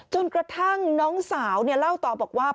จนกระทั่งน้องสาวเล่าต่อบอกว่า